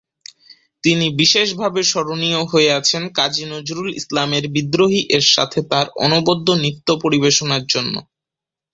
তিনি বিশেষভাবে স্মরণীয় হয়ে আছেন কাজী নজরুল ইসলামের "বিদ্রোহী"এর সাথে তার অনবদ্য নৃত্য পরিবেশনার জন্যে।